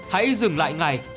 hãy dừng lại ngày